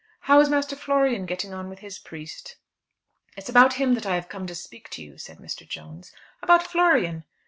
How is Master Florian getting on with his priest?" "It's about him that I have come to speak to you," said Mr. Jones. "About Florian?"